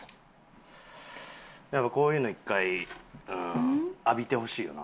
やっぱこういうの１回浴びてほしいよな。